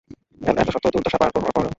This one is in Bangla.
এতশত দুর্দশা পার করার পরেও।